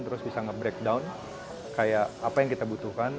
terus bisa nge breakdown kayak apa yang kita butuhkan